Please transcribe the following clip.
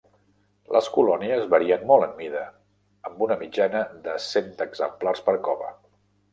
Les colònies varien molt en mida, amb una mitjana de cent exemplars per cova.